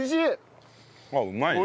あっうまいね。